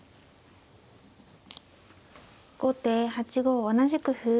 後手８五同じく歩。